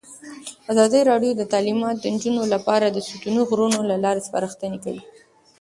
ازادي راډیو د تعلیمات د نجونو لپاره د ستونزو حل لارې سپارښتنې کړي.